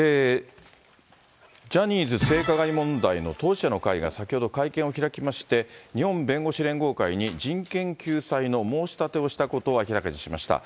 ジャニーズ性加害問題の当事者の会が先ほど会見を開きまして、日本弁護士連合会に人権救済の申し立てをしたことを明らかにしました。